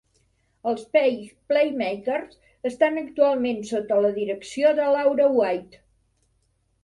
Els Page Playmakers estan actualment sota la direcció de Laura White.